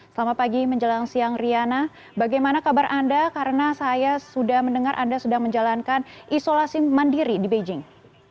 selamat pagi menjelang siang riana bagaimana kabar anda karena saya sudah mendengar anda sedang menjalankan isolasi mandiri di beijing